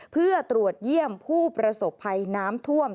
เพื่อตรวจเยี่ยมผู้ประสบภัยน้ำท่วม